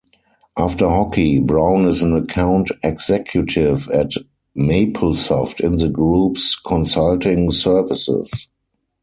After hockey, Brown is an account executive at Maplesoft in the group's consulting services.